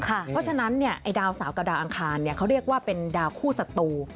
เพราะฉะนั้นดาวเสาร์กับดาวอังคารเขาเรียกว่าเป็นดาวคู่ศัตรู